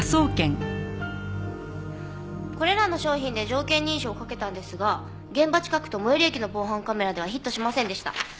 これらの商品で条件認証をかけたんですが現場近くと最寄り駅の防犯カメラではヒットしませんでした。